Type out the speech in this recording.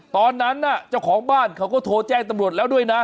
ตอนนั้นน่ะเจ้าของบ้านเขาก็โทรแจ้งตำรวจแล้วด้วยนะ